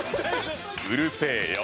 うるせえよ。